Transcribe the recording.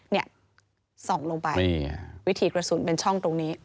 เนี่ยส่องลงไปวิถีกระสุนเป็นช่องตรงนี้